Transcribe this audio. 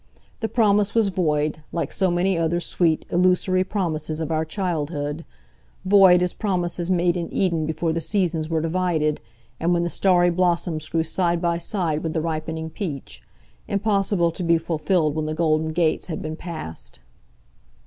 The promise was void, like so many other sweet, illusory promises of our childhood; void as promises made in Eden before the seasons were divided, and when the starry blossoms grew side by side with the ripening peach,—impossible to be fulfilled when the golden gates had been passed.